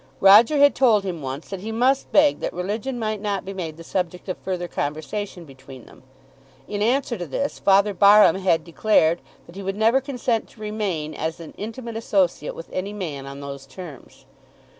Roger had told him once that he must beg that religion might not be made the subject of further conversation between them. In answer to this, Father Barham had declared that he would never consent to remain as an intimate associate with any man on those terms.